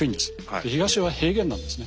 で東は平原なんですね。